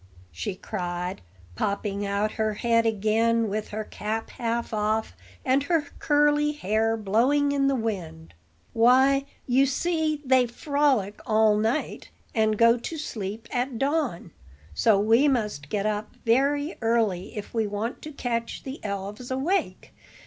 she cried, popping out her head again with her cap half off, and her curly hair blowing in the wind. "Why, you see, they frolic all night, and go to sleep at dawn; so we must get up very early, if we want to catch the elves awake.